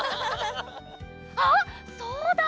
あっそうだ！